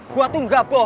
gua tuh gak bercanda